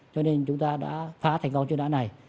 cho nên chúng ta đã phá thành công chuyên án này